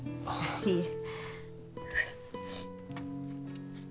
いえ。